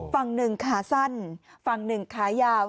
ฝั่งหนึ่งขาสั้นฝั่งหนึ่งขายาว